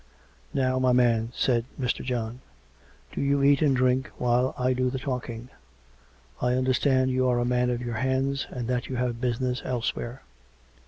" Now, my man," said Mr. John. " Do you eat and drink while I do the talking. I understand you are a man of your hands, and that you have business elsewhere."